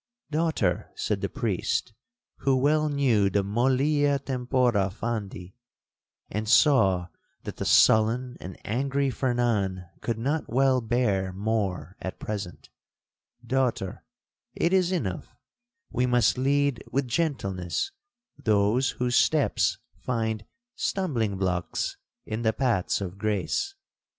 '—'Daughter,' said the priest, who well knew the mollia tempora fandi, and saw that the sullen and angry Fernan could not well bear more at present; 'daughter, it is enough—we must lead with gentleness those whose steps find stumbling blocks in the paths of grace.